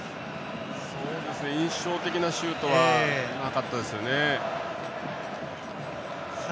印象的なシュートはなかったですよね。